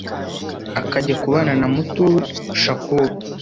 akajya kubana na Mutulu Shakur